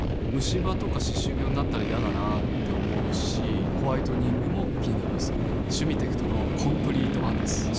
ムシ歯とか歯周病になったら嫌だなって思うしホワイトニングも気になります「シュミテクトのコンプリートワン」です